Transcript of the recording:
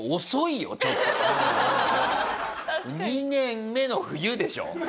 ２年目の冬でしょ？